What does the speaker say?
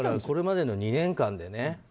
これまでの２年間でね。